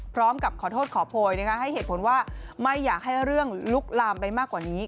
พร้อมกับขอโทษขอโพยให้เหตุผลว่าไม่อยากให้เรื่องลุกลามไปมากกว่านี้